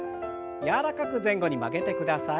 柔らかく前後に曲げてください。